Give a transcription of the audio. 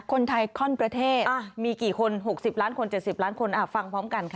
คนไทยข้อนประเทศมีกี่คน๖๐ล้านคน๗๐ล้านคนฟังพร้อมกันค่ะ